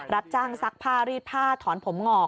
รับจ้างซักผ้ารีดผ้าถอนผมงอก